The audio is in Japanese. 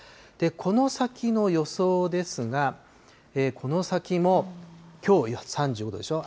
この先の予想ですが、この先もきょう３５度でしょう。